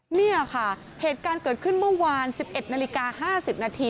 นี่ค่ะเหตุการณ์เกิดขึ้นเมื่อวาน๑๑นาฬิกา๕๐นาที